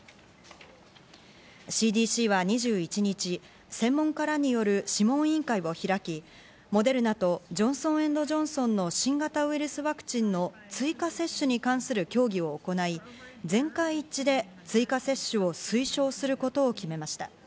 ＣＤＣは２１日、専門家らによる諮問委員会を開き、モデルナとジョンソン・エンド・ジョンソンの新型ウイルスワクチンの追加接種に関する協議を行い、全会一致で追加接種を推奨することを決めました。